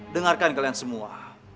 dengarkan kalian semua